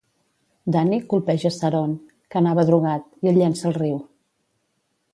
Danny colpeja Sarone, que anava drogat, i el llença al riu.